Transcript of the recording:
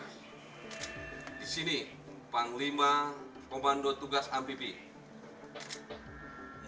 di sini panglima komando tugas amfibi